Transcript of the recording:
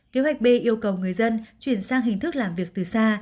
kế hoạch b yêu cầu người dân chuyển sang hình thức làm việc từ xa